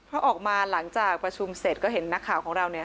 พอออกมาหลังจากประชุมเสร็จก็เห็นนักข่าวของเราเนี่ย